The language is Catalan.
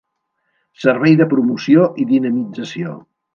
Servei de Promoció i Dinamització.